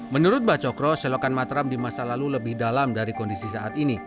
menurut mbak cokro selokan mataram di masa lalu lebih dalam dari kondisi saat ini